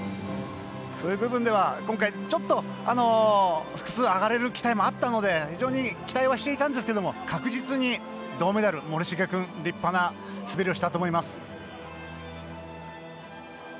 そういう部分では今回、ちょっと複数上がれる期待もあったので非常に期待はしていたんですが確実に銅メダル、森重君は立派な滑りをしたと思います。